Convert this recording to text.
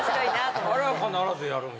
あれは必ずやる。